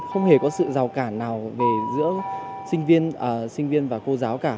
không hề có sự rào cản nào giữa sinh viên và cô giáo cả